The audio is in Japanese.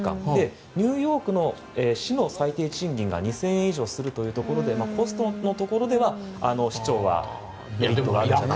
ニューヨークの市の最低賃金が２０００円以上するというところでコストのところでは市長はメリットがあるんじゃないかと。